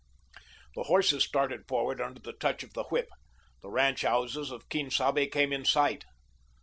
The horses started forward under the touch of the whip. The ranch houses of Quien Sabe came in sight.